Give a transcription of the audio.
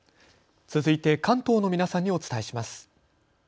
続いて関東の皆さんにお伝えします。